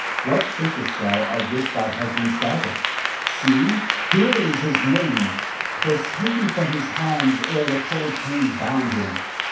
What thinkest thou of this thy husband's dagger? See, here his name. 'Twas taken from his hands ere the cold chains bound them.